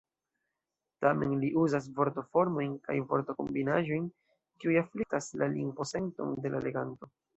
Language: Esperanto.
Tamen li uzas vortoformojn kaj vortokombinaĵojn, kiuj afliktas la lingvosenton de la leganto.